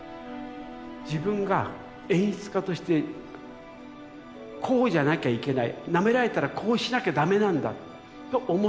自分が演出家としてこうじゃなきゃいけないなめられたらこうしなきゃダメなんだと思った。